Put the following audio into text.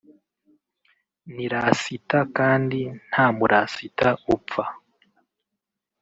ni Rasita kandi nta murasita upfa